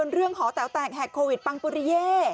เรื่องหอแต๋วแตกแหกโควิดปังปุริเย่